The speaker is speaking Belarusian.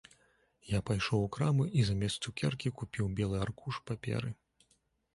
Я пайшоў у краму і замест цукеркі купіў белы аркуш паперы.